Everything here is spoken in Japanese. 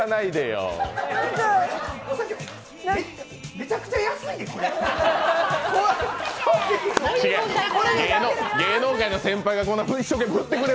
めちゃくちゃ安いで、これ。